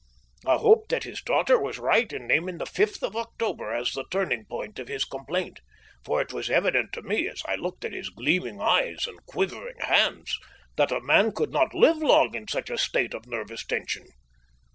I hoped that his daughter was right in naming the fifth of October as the turning point of his complaint, for it was evident to me as I looked at his gleaming eyes and quivering hands, that a man could not live long in such a state of nervous tension.